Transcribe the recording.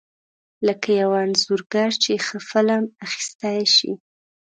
لکه یو انځورګر چې ښه فلم اخیستی شي.